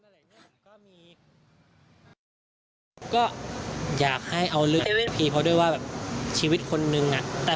แล้วก็พูดว่าให้อยู่ประมาณ๒๑อย่างงี้ไง